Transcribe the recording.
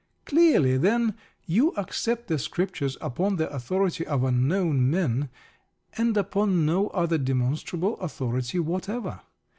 Clearly, then, you accept the Scriptures upon the authority of unknown men, and upon no other demonstrable authority whatever.